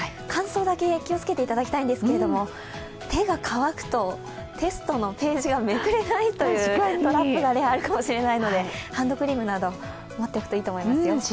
乾燥だけ気をつけていただきたいんですけど、手が乾くとテストのページがめくれないというトラップがあるかもしれないので、ハンドクリームなど持っていくといいと思いますよ。